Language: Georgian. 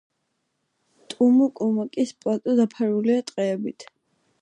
ტუმუკ-უმაკის პლატო დაფარულია ტყეებით.